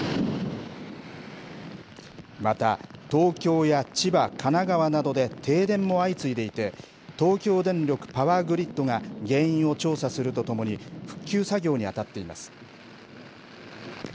また、東京や千葉、神奈川などで停電も相次いでいて、東京電力パワーグリッドが原因を調査するとともに、復旧作業に当たっています。